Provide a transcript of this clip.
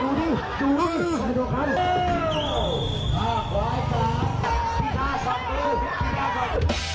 ถึงมั้ยเนี่ย